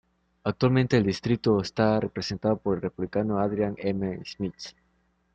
Actualmente el distrito está representado por el Republicano Adrian M. Smith.